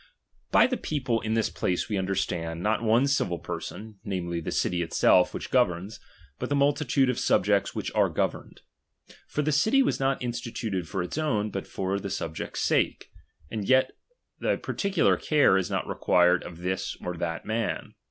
By the people in this place we understand, n is uie duty not one civil person, namely, the city itself which spccVX^™.' governs, but the multitude of subjects which are ™°y'"^ft^ "| governed. For the city was not instituted for its™'*"'"'™" own, but for the subjects sake : and yet a parti cular care is not required of this or that man.